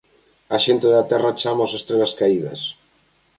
A xente da terra chámaos estrelas caídas.